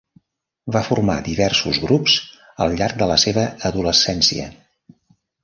Va formar diversos grups al llarg de la seva adolescència.